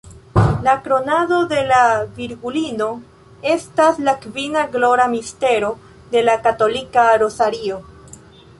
La "Kronado de la Virgulino" estas la kvina glora mistero de la katolika rozario.